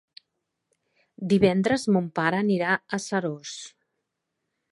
Divendres mon pare anirà a Seròs.